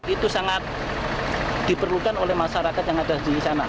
itu sangat diperlukan oleh masyarakat yang ada di sana